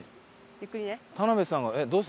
ゆっくりね。